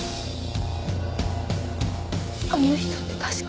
あの人って確か。